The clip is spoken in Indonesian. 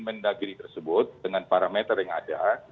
hal hal tersebut dengan parameter yang ada